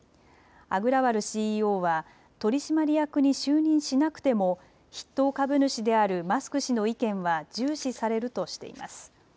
アグラワルＣＥＯは取締役に就任しなくても筆頭株主であるマスク氏の意見は重視されるとしています。